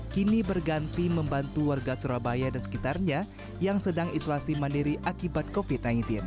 kini berganti membantu warga surabaya dan sekitarnya yang sedang isolasi mandiri akibat covid sembilan belas